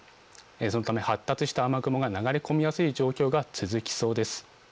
そのため発達した雨雲が流れ込みやすい状況が続きそうです。